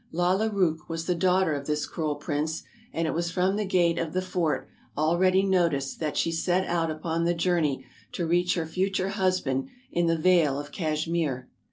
Lalla Rookh was the daughter of this cruel prince, and it was from the gate of the fort, already noticed, that she set out upon the journey to reach her future husband in the Vale of Cashmere.